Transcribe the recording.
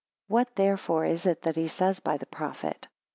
4 What therefore is it that he says by the prophet?